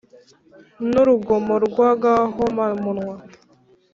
Nurugomo rw’ agahomamunwa.